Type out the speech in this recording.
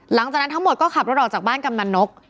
หลังจากนั้นทั้งหมดก็ขับรถออกจากบ้านกำนันนก